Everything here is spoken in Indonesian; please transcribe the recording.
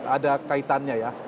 ada kaitannya ya